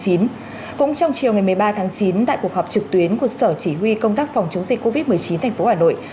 cũng trong chiều ngày một mươi ba tháng chín tại cuộc họp trực tuyến của sở chỉ huy công tác phòng chống dịch covid một mươi chín tp hà nội